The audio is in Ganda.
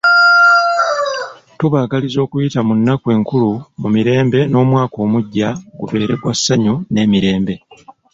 Tubaagaliza okuyita mu nnaku enkulu mu mirembe n'omwaka omuggya gubeere gwa ssanyu n'emirembe.